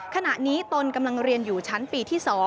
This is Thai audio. ขณะนี้ตนกำลังเรียนอยู่ชั้นปีที่๒